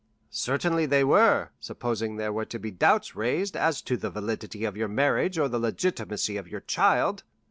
"Certainly they were; supposing there were to be doubts raised as to the validity of your marriage or the legitimacy of your child?"